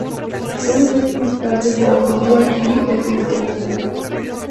Unos años más tarde se difundió allí el cristianismo.